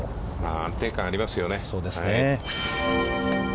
安定感がありますよね。